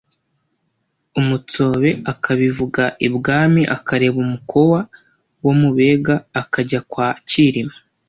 Umutsobe akabivuga ibwami akareba umukowa wo mu bega akajya kwa cyirima